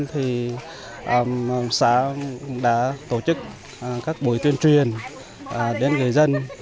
thì xã đã tổ chức các buổi tuyên truyền đến người dân